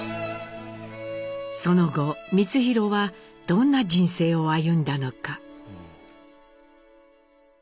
その後光宏はどんな人生を歩んだのか？